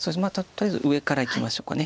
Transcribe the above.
とりあえず上からいきましょうか。